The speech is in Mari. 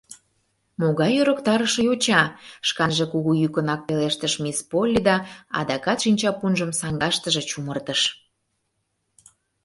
Могай ӧрыктарыше йоча! — шканже кугу йӱкынак пелештыш мисс Полли да адакат шинчапунжым саҥгаштыже чумыртыш.